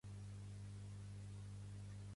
Què va fer Èol a Arne, en aquesta?